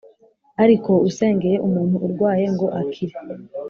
ariko usengeye umuntu urwaye ngo akire,